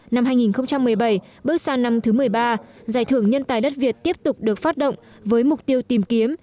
năm hai nghìn một mươi bảy bước sang năm thứ một mươi ba giải thưởng nhân tài đất việt tiếp tục được phát động với mục tiêu tìm kiếm